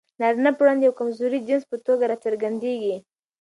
د نارينه پر وړاندې د يوه کمزوري جنس په توګه راڅرګندېږي.